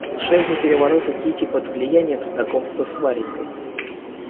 Душевный переворот у Кити под влиянием знакомства с Варенькой.